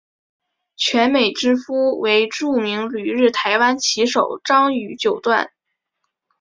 泉美之夫为著名旅日台湾棋手张栩九段。